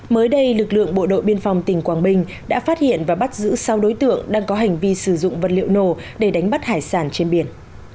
mới đây lực lượng bộ đội biên phòng tỉnh quảng bình đã phát hiện và bắt giữ sau đối tượng đang có hành vi sử dụng vật liệu nổ để đánh bắt hải sản trên biển